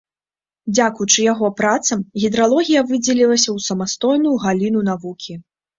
Дзякуючы яго працам гідралогія выдзелілася ў самастойную галіну навукі.